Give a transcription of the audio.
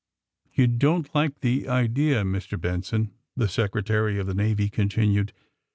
*^You don't like the idea, Mr. Benson," the Secretary of the Navy continued.